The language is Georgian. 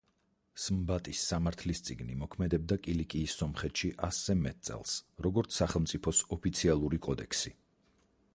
სმბატის სამართლის წიგნი მოქმედებდა კილიკიის სომხეთში ასზე მეტ წელს, როგორც სახელმწიფოს ოფიციალური კოდექსი.